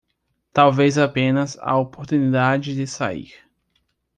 Talvez apenas a oportunidade de sair